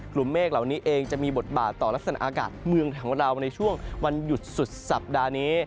เมฆเหล่านี้เองจะมีบทบาทต่อลักษณะอากาศเมืองของเราในช่วงวันหยุดสุดสัปดาห์นี้